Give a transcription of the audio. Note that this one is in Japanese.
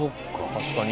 確かに。